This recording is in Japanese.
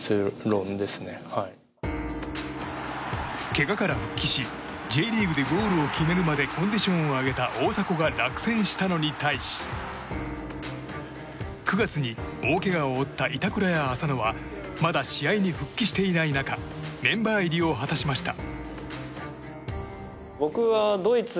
けがから復帰しＪリーグでゴールを決めるまでコンディションを上げた大迫が落選したのに対し９月に大けがを負った板倉や浅野はまだ試合に復帰していない中メンバー入りを果たしました。